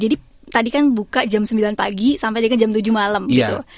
jadi tadi kan buka jam sembilan pagi sampai jam tujuh malam gitu